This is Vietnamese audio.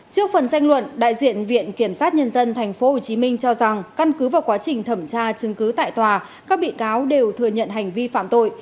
trước phần tranh luận đại diện viện kiểm sát nhân dân tp hcm cho rằng căn cứ vào quá trình thẩm tra chứng cứ tại tòa các bị cáo đều thừa nhận hành vi phạm tội